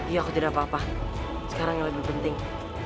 iya aku tidak apa apa sekarang yang lebih penting